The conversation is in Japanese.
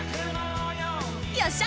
よっしゃ！